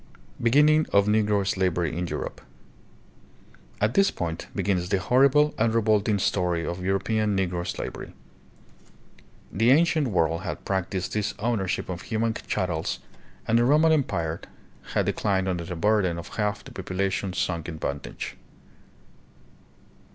Beginning of Negro Slavery in Europe. At this point begins the horrible and revolting story of European Negro slavery. The ancient world had practiced this owner ship of human chattels, and the Roman Empire had de clined under a burden of half the population sunk in bondage.